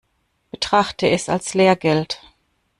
Betrachte es als Lehrgeld.